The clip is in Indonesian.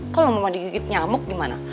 kalau memang digigit nyamuk gimana